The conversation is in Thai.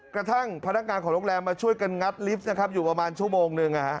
กระทั่งพนักงานของโรงแรมมาช่วยกันงัดลิฟต์นะครับอยู่ประมาณชั่วโมงนึง